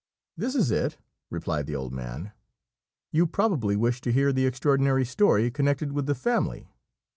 "This is it," replied the old man; "you probably wish to hear the extraordinary story connected with the family?